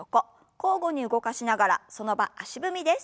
交互に動かしながらその場足踏みです。